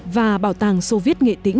và bảo tàng soviet nghệ tĩnh